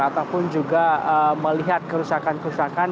ataupun juga melihat kerusakan kerusakan